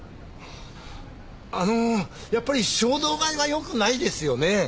あのやっぱり衝動買いはよくないですよね。